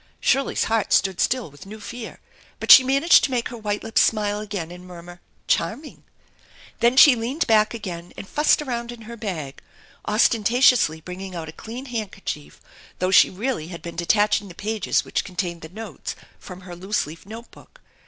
Shirley's heart stood still with new fear, but she managed to make her white lips smile again and murmur, "Charming !" Then she leaned back again and fussed around in her bag, ostentatiously bringing out a clean handkerchief, though she really had been detaching the pages which contained the notes from her loose leaf note book.